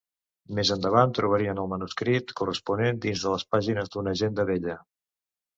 Més endavant trobarien el manuscrit corresponent dins les pàgines d'una agenda vella.